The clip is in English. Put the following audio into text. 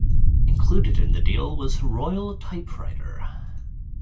Included in the deal was Royal Typewriter.